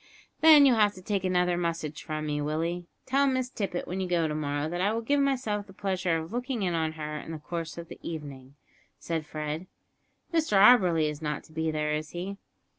"Then you'll have to take another message from me, Willie. Tell Miss Tippet when you go to morrow that I will give myself the pleasure of looking in on her in the course of the evening," said Fred. "Mr Auberly is not to be there, is he?"